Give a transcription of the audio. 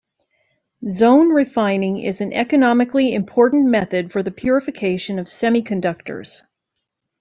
Zone refining is an economically important method for the purification of semiconductors.